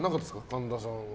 神田さんは。